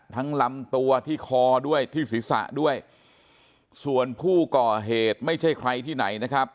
ลำตัวที่คอด้วยที่ศีรษะด้วยส่วนผู้ก่อเหตุไม่ใช่ใครที่ไหนนะครับ